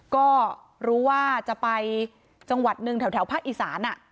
ก็รู้ว่าจะไปจังหวัดหนึ่งแถวภาคอีสาน